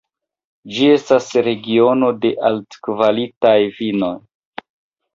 Ĝi estas regiono de altkvalitaj vinoj.